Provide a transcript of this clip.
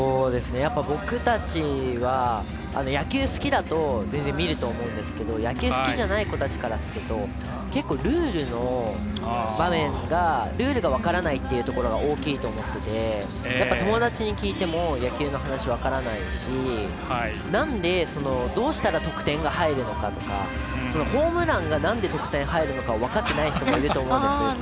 僕たちは野球好きだと全然、見ると思うんですけど野球好きじゃない子からすると結構、ルールが分からないっていうことが大きいと思ってて友達に聞いても野球の話分からないし、なんでどうしたら得点が入るのかとかホームランがなんで得点入るのか分かってない子もいると思うんです。